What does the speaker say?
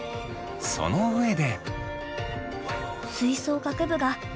その上で。